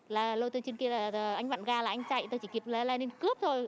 lôi tôi trên kia anh vặn ga là anh chạy tôi chỉ kịp lên cướp thôi